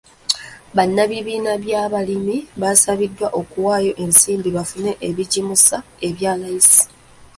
Bannabibiina by'abalimi basabiddwa okuwayo ensimbi bafune ebigimusa ebya layisi.